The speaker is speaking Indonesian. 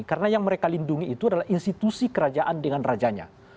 karena yang mereka lindungi itu adalah institusi kerajaan dengan rajanya